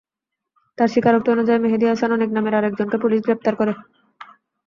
তাঁর স্বীকারোক্তি অনুযায়ী মেহেদী হাসান অনিক নামের আরেকজনকে পুলিশ গ্রেপ্তার করে।